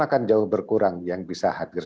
akan jauh berkurang yang bisa hadir